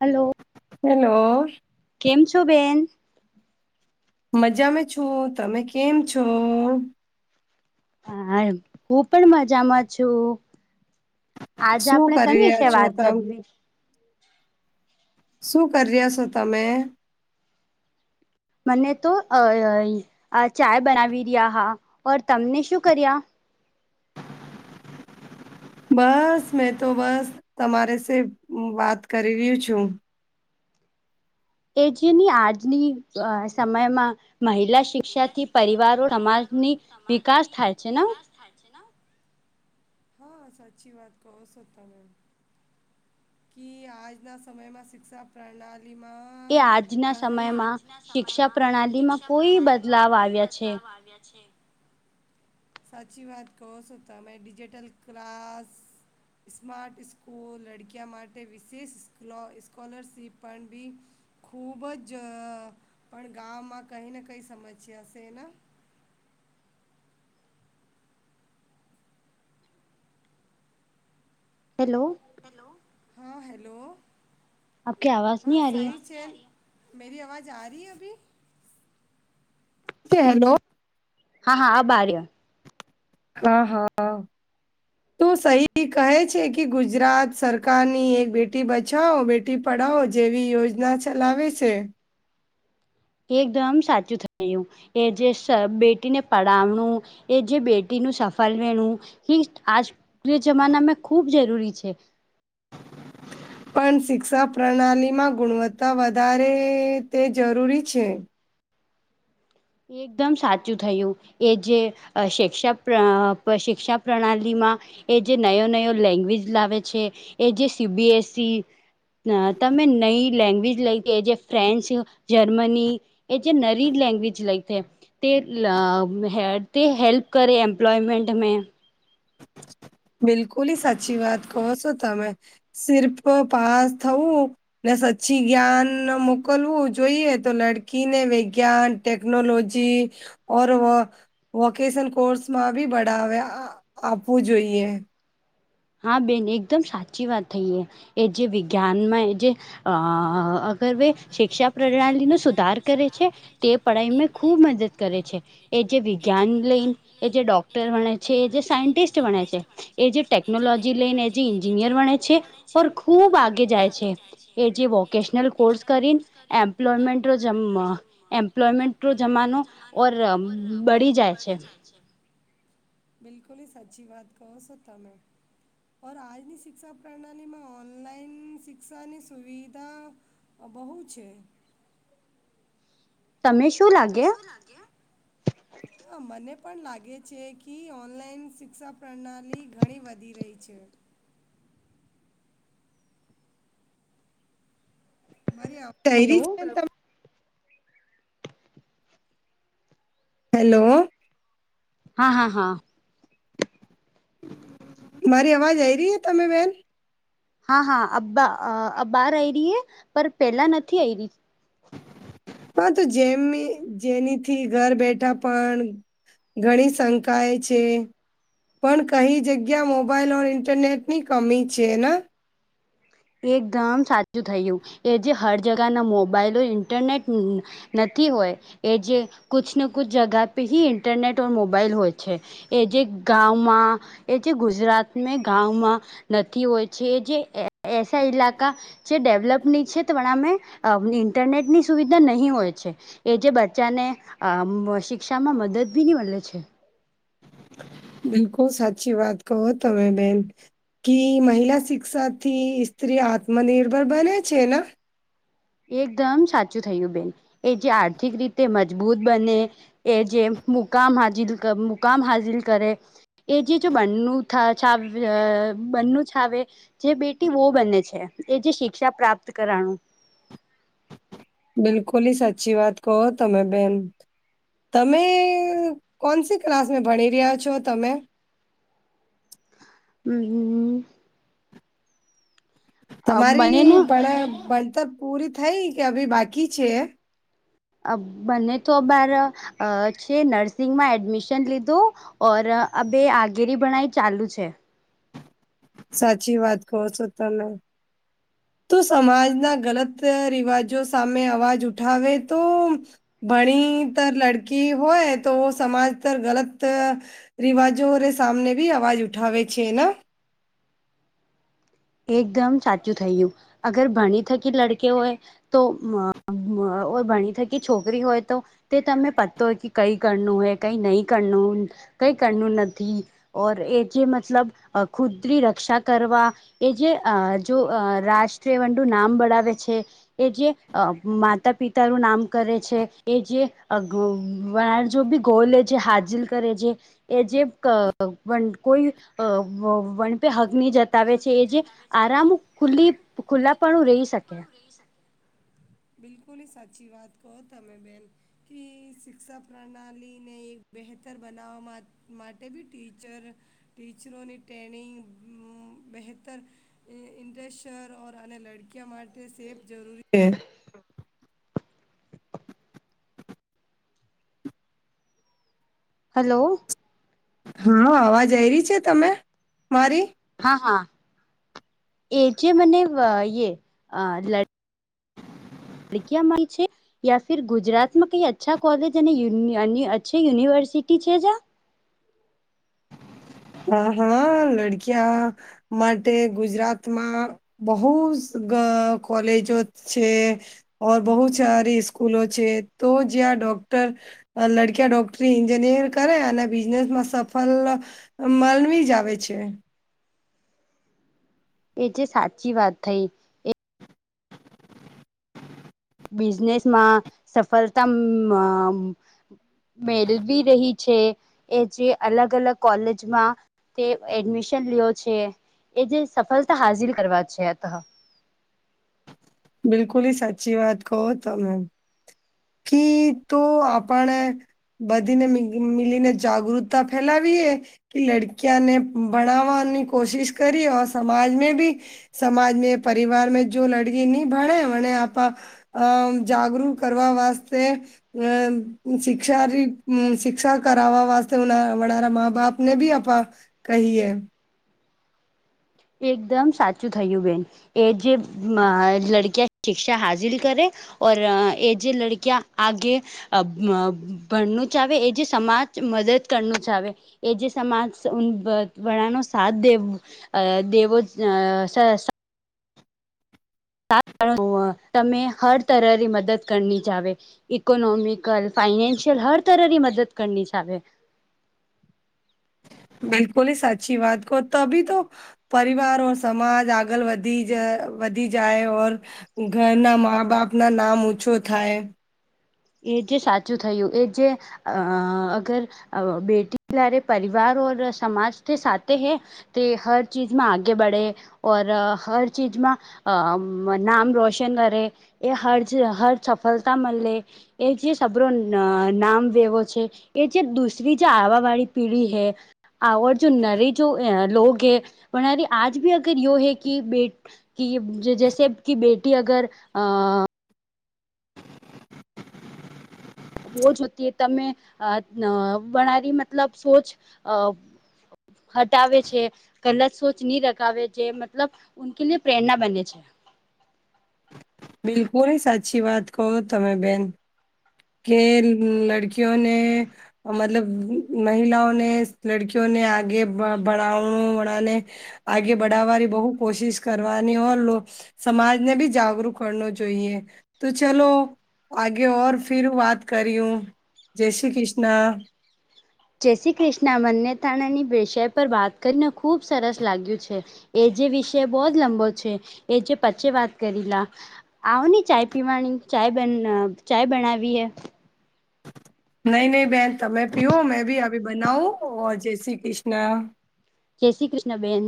Hello. Hello. કેમ છો બેન. મજામાં છું તમે કેમ છો. હા હું પણ મજામાં છું. આજે શું આપડણે કરી કઈ રહ્યા વિશે છો વાત તમે કરવીશ. શું કરી્યા છો તમે. મને તો અ ચાય બનાવી રહ્યા હા ઓર તમને શું કર્યા. બસ મેં તો બસ તમારે સ વાત કરી રહ્યું છું. એ જે ની આજની સમયમાં મહિલા. શિક્ષા થી પરિવારો સમાજની વિકાસ થાય છે ને. હા સાચી વાત કહો છતા મેમ. ક આજના સમયમાં શિક્ષા પ્રણાલીમાં. કે આજના કે કહી સમયમાં શિક્ષા પ્રણાલીમાં કોઈ બદલાવ આવ્યા છે. આવ્યા છે. સાચી વાત ક સોતા મેં ડિજિટલ ક્લાસ. સ્માર્ટ સ્સ્કૂલ લડકિયા માટે વિશેષ સ્લો સ્કોલરશિપ પણ બી. ખૂબ જ પણ ગામમાં કંઈને કંઈ સમસ્યાશે એના. હેલો. હા હેલો. આપકી આવાજ ન હા આ રહી હ સહી છે. મેરી આવાજ આ રહી અભી હેલો. હા હા આ બાર. હા હા. તો સહી કહે છે કે ગુજરાત સરકારની એક બેટી બચાવો બે. ટી પડાવો જેવી યોજના ચલાવે છે. એકદમ સાચું થયું. એ જે સ બેટીને પડાવણું એ જે બેટીનું સફળ વેણું. હ આજના જમાનામાં ખૂબ જરૂરી છે. પણ શિક્ષા પ્રણાલીમાં ગુણવત્તા વધારે તે જરૂરી છે. એકદમ સાચું થયું. એ જે શિક્ષા શિક્ષા પ્રણાલીમાં. એ જે નયો નયો લેંગ્વેજ લાવે છે એ જે સીબીએસઇ. અ તમે નઈ લેંગ્વેજ લઈતી જે ફ્રેન્ચ જર્મની. એ જે નરી લેંગ્વેજ. લ તે તે હેલ્પ કરે એમ્પ્લોયમેન્ટ મે. બિલકુલ સાચી વાત કહો છો તમે સિર્પ પાસ થવું ને સચ્ચી જ્ઞાન મોકલવું જોઈએ તો લડકીને વૈજ્ઞાન. ટેકનોલોજી ઓર વકેશન કોર્સમાં ભી બાવે. આપવું જોઈએ. હા બેન એકદમ સાચી વાત થઈ એ. એ જે વિજ્ઞાનમાં એ જે અહ વે શિક્ષા પ્રણાલી નો સુધાર કરે છે, તે પઢાઈ મે ખુબ મદદ કરે છે. એ જે વિજ્ઞાન લઈન એ જે ડોક્ટર બણે છે, એ જે સાયન્ટિસ્ટ બણે છે, એ જે ટેક ટેકનોલોજી લઈને એ જે ન્જિનિયર બણે છે, ઔર ખુબ આગે જાય છે. એ જે વોકેશનલ કોર્સ કરીને એમ્પ્લોયમેન્ટ રો જમ [inaudible] ઓરમ બળી જાય છે. બિલકુલ સાચી વાત કહો સો તમે. ઓર આજની શિક્ષા પ્રણાલીમાં ઓનલાઈન શિક્ષાની સુવિધા અહ બહુ છે. તમે શ તમને શું લાગે? હા મને પણ લાગે છે કી ઓનલાઈન શિક્ષા પ્રણાલી ઘણી વધી રહી છે. મારી અવાજ હલો [unintelligible] હેલો. હા, હા, હા. મારી અવાજ આઈ રહી હે તમે બેન? હા, હા, અબ બાર આઈ રી હે, પણ પેલા નથી આઈ રી. હા તો જેમી જેનીથી ઘર બેઠા પણ ઘણી શંકાએ છે. પણ કઈ જગ્યા મોબાઈલ ઓર ઇન્ટરનેટ ની કમી છે ના? એકદમ સાચું થયું. એ જે હર જગાના મોબાઈલો ઇન્ટરનેટ નથી હોય, એ જે કુછ ન કુછ જગા પે હી ઇન્ટરનેટ ઔર મોબાાઈલ હોય છે. એ જે ગાંવમાં એ જે ગુજરાત મે ગાંવમાં નથી હોય છે, એ જે એસા ઈલાકા જે ડેવલપની છે, [unintelligible] ઇન્ટરનેટની સુવિધા નહીં હોય છે. એ જે બચ્ચા ને અમ્મ શિક્ષામાં મદદ ભી નહીં મલે છે. બિલકુલ સાચી વાત કહો તમે બેન. કી મહિલા શિક્ષા થી સ્ત્રી આત્મનિર્ભર બને છે ના એકદમ સાચું થયું બેન. એ જે આર્થિક રીતે મજબૂત બને એ જે મુકામ હાજિલ ક મુકામ હાજિલ કરે. એ જે જો બનું [unintelligible] બન્નું છાવે. જે બેટી વોહ બને છે, એ જે શિક્ષા પ્રાપ્ત કરાનું. બિલકુલ સાચી વાત કહો તમે બેન. તમે કોનસી ક્લાસ મે ભણી રહ્યા છો તમે? હમ્મ-હમ્મ-હમ્મ. મને તમારી ના ભર ભણતર પૂરી થઈ કે અભી બાકી છે? અહ બને તો બાર છે નર્સિંગમાં એડમિશન લીધું. ઔર અભે આગેરી ભણાય ચાલુ છે. સાચી વાત કહો છો તમે. તું સમાજના ગલત રિવાજો સામે અવાજ ઉઠાવે તો ભણીતર લડકી હોય તો સમાનતર ગલત રિવાજો રે સામને બી અવાજ ઉઠાવે છે ના? એકદમ સાચું થયું. અગર ભણી થકી લડકે હોય તો અહ-અહ ભણી થકી છોકરી હોય તો તે તમે પતો હોય કી કંઈ કરનું હે, કંઈ નહીં કરનુંન. કંઈ કરનું નથી, ઓર એ જે મતલબ અહ [unintelligible] રક્ષા કરવા એ જે અહ જો અહ રાષ્ટ્રીય વંટું નામ બઢાવે છે. એ જે અહ માતા પિતા નું નામ કરે છે, એ જે [unintelligible] જો બી ગોલ છે હાજિર કરે જે. એ જે વ કોઈ વન પે હક નહી જતા. હગની જતાવે છે એ જે આરામ ખુલી ખુલ્લાપણું રહી ખુલ્લા શકે પાડું રહી શકે. બિલકુલી સાચી વાત કહો તમે બેન કે શિક્ષા પ્રણાલી ને એક બેતર બનાવવા મા માટે બી ટીચર ટીચરોની ટ્રેનિંગ મ બહેતર ઈ ઇન્ટ્રેશર ઓર અને લડકીયા માટે સેફ જરૂરી હે હા, હલો! હ, અવાજ આયવી છે તમે મારી હા, હા, એ જે મને વયે અ લ ડકીયા મળશે. યા ફિર ગુજરાતમાં કઈ અચ્છા કોલેજ અને યુની અની અચ્છી યુનિવર્સિટી છે જા હા, હા, લડકીયા માટે ગુજરાતમાં બહુસ ગ કોલેજો છે. ઓર બહુત સારી સ્કૂલો છે તો જ્યાં ડોક્ટર લડકીયા ડોક્ટરી ન્જિનિયર કરે અને બિઝનેસમાં સફલ મલવી જાવેે છે. એ જે સાચી વાત થઈ. એ બિઝનેસમાં સફલતા મ મેલવી રહી છે એ જે અલગ અલગ કોલેજમાં તે એડમિશન લિયો છે એ જે સફલતા હાઝિલ કરવા છે અતહ બિલકુલી સાચી વાત કહો તમે કી તો આપણે બધીને મીગ મીલીને જાગૃતતા ફેલાવીએ કે લડકીયાને ભણાવાની કોશિશ કરી ઓ સમાજ મે ભી સમાજ મે પરિવાર મે જો લડકીની ભણે અને આપા અમ જાગરૂક કરવા વાસ્તે અમ શિક્ષા રી શિક્ષા કરાવા વાસ્તે ઉના વનારા માં બાપને ભી અપા કહીએ એકદમ સાચું થયું બેન, એ જે મ લડકીયા શિક્ષા હાઝિલ કરે ઓર એ જે લડકીયા આગે અ મ ભણનું ચાવે એ જે સમાજ મદદ કરનું ચાવે એ જે સમાજ ઉન ભદ ભળાનો સાથ દેબ અ દેવો અ શાશા તમે હર તરની મદદ કરની ચાવે ઇકોનોમિકલ ફાઈનેન્શિયલ હર તરની મદદ કરની ચાવે બિલકુલી સાચી વાત કહો તભી તો પરિવાર ઓર સમાજ આગળ વધી જ વધી જાય ઓર ઘરના માં બાપના નામ ઉછો થાય. એ જે સાચું થયું, એ જે અ અગર અ બેટી લારે પરિવાર ઓર સમાજથી સાતે હૈ તે હર ચીજમા આગે બડે ઓર હર ચીજમાં અ નામ રોશન કરે એ હર જે હર સફલતા મલે એ જે સભરો ન નામ વયો છે. એ જે દુસરી જે આવાવાળી પીઢી હૈ આવો જો નરે જો અ લોગે પણ અરે આજ ભી અગર યો હૈ કે બેટ કી જૈસે કે બેટી અગર અ બોઝ હોતી તમે અ ન વનારી મતલબ સોચ અ હટાવે છે, ગલત સોચની રખાવે છે, મતલબ ઉનકે લીયે પ્રેરણા બને છે. બિલકુલી સાચી વાત કહો તમે બેન. કે લડકીયોને મતલબ મહિલાઓને લડકઓને આગે બડાઓ બડાને આગે બડાવાની બહુ કોશિશ કરવાની સમાજને ભી જાગરુક કર જોઈએ તો ચલો આગે ઓર ફિર વાત કર્યું. જય શ્રી કૃષ્ણ. જય શ્રી કૃષ્ણ મન્યતાણાની વિષય પર વાત કરીને ખૂબ સરસ લાગ્યું છે. એ જે વિષય બોહોત લંબો છે એ જે પચે વાત કરીલા. આવો ને ચાય પીવાની ચાય ચાય બનાવીએ. નહી ન બહેન તમે પીઓ મેં ભી અભી બનાઓ જય શ્રી કૃષ્ણ. જય શ્રી કૃષ્ણ બેન.